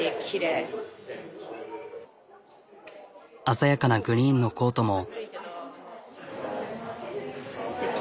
鮮やかなグリーンのコートも。